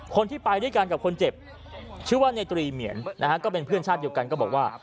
คนที่ไปด้วยกันกับคนเจ็บชื่อว่าในตรีเหมียนนะฮะก็เป็นเพื่อนชาติเดียวกันก็บอกว่า